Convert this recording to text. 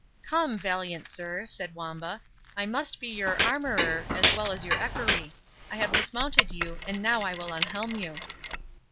"Come, valiant sir," said Wamba, "I must be your armourer as well as your equerry—I have dismounted you, and now I will unhelm you."